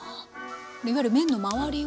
いわゆる麺の周りを。